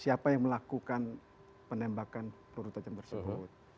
siapa yang melakukan penembakan peluru tajam tersebut